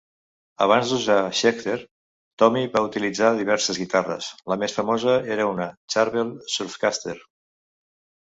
Abans d'usar Schecter, Tommy va utilitzar diverses guitarres; la més famosa era una Charvel Surfcaster.